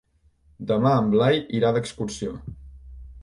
Demà en Blai irà d'excursió.